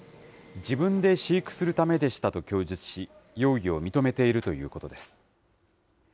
自分で飼育するためでしたと供述し、容疑を認めているということです。